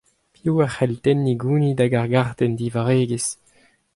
Piv a cʼhall tenniñ gounid ag ar gartenn divarregezh ?